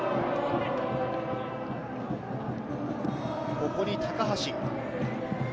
ここに高橋。